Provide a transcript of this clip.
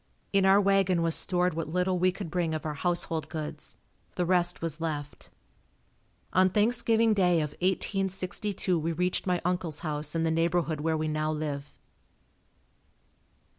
In our wagon was stored what little we could bring of our household goods, the rest was left. On Thanksgiving day of 1862 we reached my uncle's house in the neighborhood where we now live.